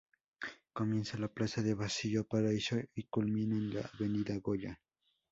Comienza en la plaza de Basilio Paraíso y culmina en la avenida Goya.